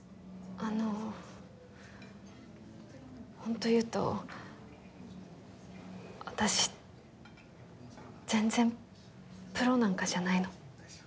あの本当言うと私全然プロなんかじゃないの。